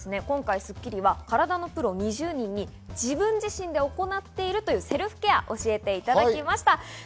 今回『スッキリ』は体のプロ２０人に自分自身で行っているというセルフケアを教えていただきました。